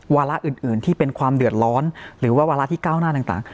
วาระอื่นที่เป็นความเดือดร้อนหรือว่าวาระที่ก้าวหน้าต่าง